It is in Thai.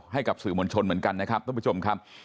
ให้สื่อมชมเหมือนกันนะครับเข็มไปจมครับ